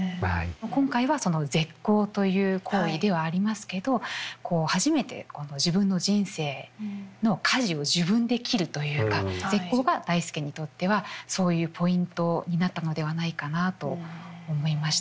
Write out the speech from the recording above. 今回はその絶交という行為ではありますけどこう初めてこの自分の人生のかじを自分で切るというか絶交が代助にとってはそういうポイントになったのではないかなと思いました。